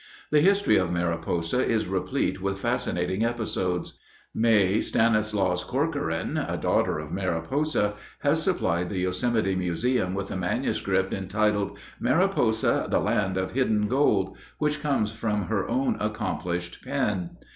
The history of Mariposa is replete with fascinating episodes. May Stanislas Corcoran, a daughter of Mariposa, has supplied the Yosemite Museum with a manuscript entitled "Mariposa, the Land of Hidden Gold," which comes from her own accomplished pen.